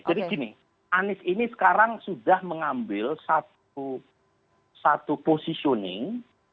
jadi gini anies ini sekarang sudah mengambil satu positioning